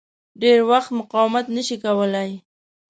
ډېر وخت مقاومت نه شي کولای.